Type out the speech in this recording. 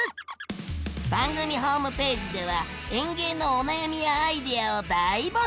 番組ホームページでは園芸のお悩みやアイデアを大募集！